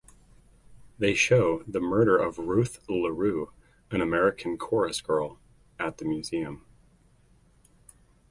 They show the murder of Ruth LaRue, an American chorus girl, at the museum.